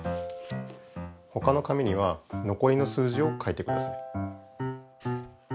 他の紙にはのこりの数字を書いてください。